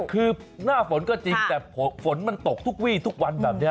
คือหน้าฝนก็จริงแต่ฝนมันตกทุกวี่ทุกวันแบบนี้